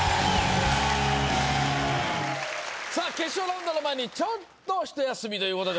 決勝ラウンドの前にちょっと一休みということで。